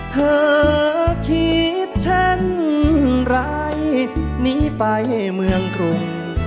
เธอคิดเช่นไรหนีไปเมืองกรุง